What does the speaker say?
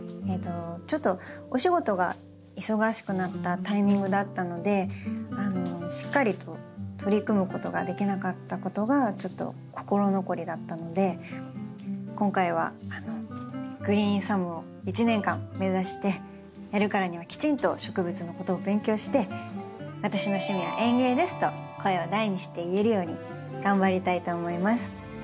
ちょっとお仕事が忙しくなったタイミングだったのでしっかりと取り組むことができなかったことがちょっと心残りだったので今回はグリーンサムを一年間目指してやるからにはきちんと植物のことを勉強して「私の趣味は園芸です！」と声を大にして言えるように頑張りたいと思います。